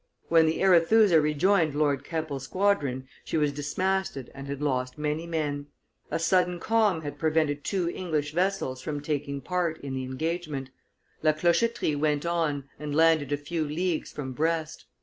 When the Arethusa rejoined Lord Keppel's squadron, she was dismasted and had lost many men. A sudden calm had prevented two English vessels from taking part in, the engagement. La Clochetterie went on and landed a few leagues from Brest.